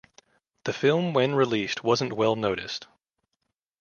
The film when released wasn't well noticed.